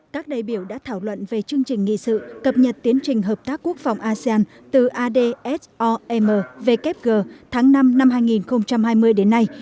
các đại biểu đã thảo luận về chương trình nghị sự cập nhật tiến trình hợp tác quốc phòng asean từ adsomwg tháng năm năm hai nghìn hai mươi đến nay